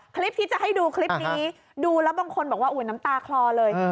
คลิปที่จะให้ดูคลิปนี้ดูแล้วบางคนบอกว่าอุ๊ยน้ำตาคลอเลย